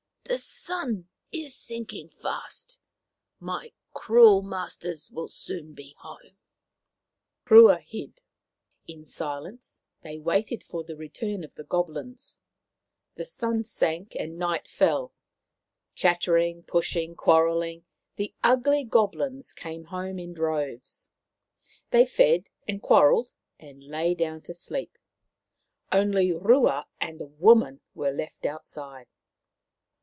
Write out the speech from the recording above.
The sun is sinking fast ; my cruel masters will soon come home." Rua hid. In silence they waited for the return Sea Goblins 213 of the Goblins. The sun sank and night fell. Chattering, pushing, quarrelling, the ugly Gob lins came home in droves. They fed and quar relled and lay down to sleep. Only Rua and the woman were left outside.